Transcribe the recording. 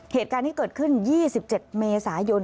เหตุการณ์ที่เกิดขึ้น๒๗เมษายน